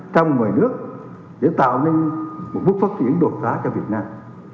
trong mọi nước để tạo nên một bước phát triển đột giá cho việt nam